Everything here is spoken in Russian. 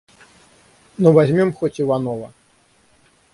Но возьмем хоть Иванова.